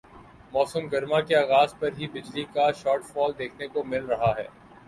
موسم گرما کے آغاز پر ہی بجلی کا شارٹ فال دیکھنے کو مل رہا ہے